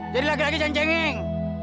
jadi lagi lagi cancenging